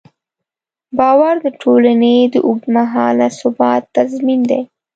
باور د ټولنې د اوږدمهاله ثبات تضمین دی.